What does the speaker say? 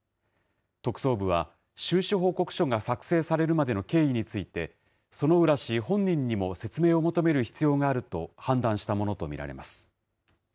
特捜部は、収支報告書が作成されるまでの経緯について、薗浦氏本人にも説明を求める必要があると判断したものと見られます。